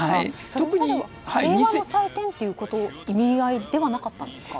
平和の祭典という意味合いではなかったんですか？